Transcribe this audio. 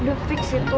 udah fix itu